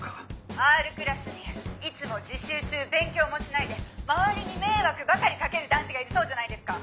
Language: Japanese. Ｒクラスにいつも自習中勉強もしないで周りに迷惑ばかり掛ける男子がいるそうじゃないですか！